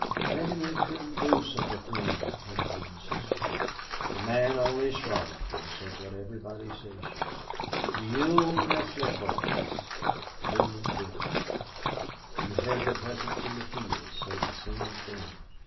Germany couldn't do such a thing, Henry insisted. The man only shrugged and said what everybody says here: 'Guillaume est la cause.' ('William did it.') You hear the peasants in the fields say the same thing.